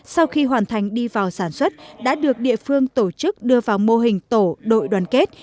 sau khi hoàn thành đi vào sản xuất đã được địa phương tổ chức đưa vào mô hình tổ đội đoàn kết